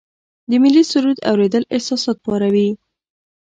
د ملي سرود اوریدل احساسات پاروي.